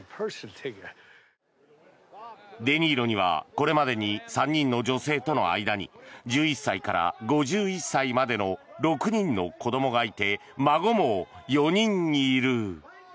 デ・ニーロにはこれまでに３人の女性との間に１１歳から５１歳までの６人の子どもがいて孫も４人いる。